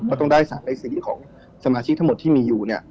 ก็ต้องได้สารในสินคิดของสมาชิกทั้งหมดที่มีอยู่